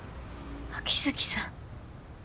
秋月さん。